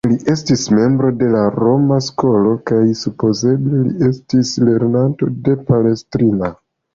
Li estis membro de la Roma Skolo, kaj supozeble li estis lernanto de Palestrina.